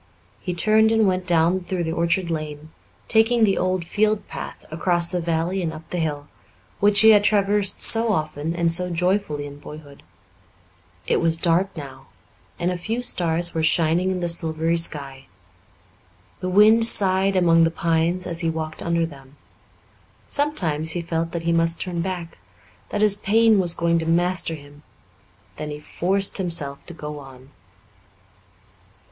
He turned and went down through the orchard lane, taking the old field path across the valley and up the hill, which he had traversed so often and so joyfully in boyhood. It was dark now, and a few stars were shining in the silvery sky. The wind sighed among the pines as he walked under them. Sometimes he felt that he must turn back that his pain was going to master him; then he forced himself to go on.